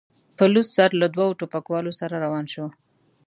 په لوڅ سر له دوو ټوپکوالو سره روان شو.